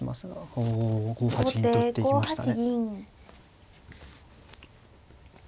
お５八銀と打っていきましたね。